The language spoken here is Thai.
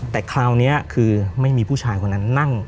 แต่คราวนี้คือไม่มีผู้ชายคนนั้นนั่ง